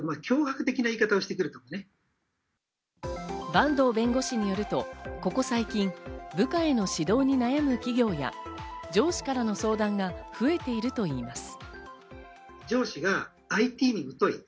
坂東弁護士によるとここ最近、部下への指導に悩む企業や上司からの相談が増えているといいます。